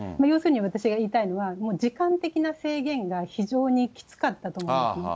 要するに私が言いたいのは、時間的な制限が非常にきつかったと思うんですね。